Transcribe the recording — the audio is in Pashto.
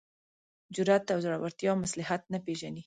جرات او زړورتیا مصلحت نه پېژني.